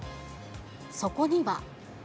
そこには。